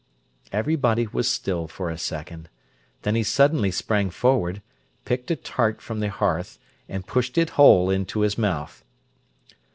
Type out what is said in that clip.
Everybody was still for a second. Then he suddenly sprang forward, picked a tart from the hearth, and pushed it whole into his mouth.